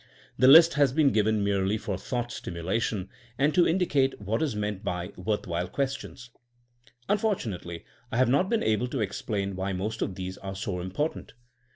The list has been given merely for thought stimulation, and to indicate what is meant by worth while ^* questions. Unfortunately I have not been able to explain why most of these are so important.